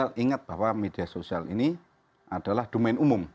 saya ingat bahwa media sosial ini adalah domain umum